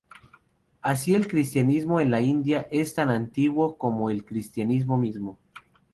Así el cristianismo en la India es tan antiguo como el cristianismo mismo.